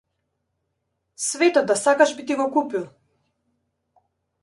Светот да сакаш би ти го купил.